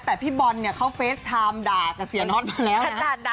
แต่พี่บอลเนี่ยเขาเฟสไทม์ด่ากับเสียน็อตมาแล้ว